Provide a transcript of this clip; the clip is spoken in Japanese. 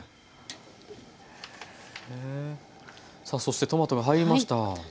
さあそしてトマトが入りました。